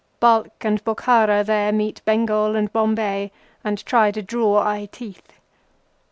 Balkh and Bokhara there meet Bengal and Bombay, and try to draw eye teeth.